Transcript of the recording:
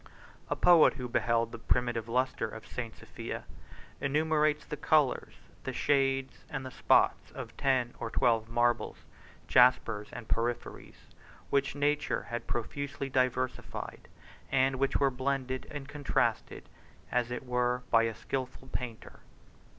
A poet, 105 who beheld the primitive lustre of St. Sophia, enumerates the colors, the shades, and the spots of ten or twelve marbles, jaspers, and porphyries, which nature had profusely diversified, and which were blended and contrasted as it were by a skilful painter.